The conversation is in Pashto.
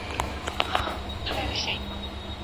سبزیجات ستا د بدن معافیت د ناروغیو پر وړاندې پیاوړی کوي.